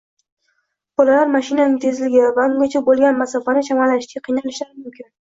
bolalar mashinaning tezligi va ungacha bo‘lgan masofani chamalashlashga qiynalishlari mumkin.